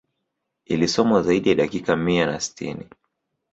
Ilisomwa zaidi ya dakika mia na sitini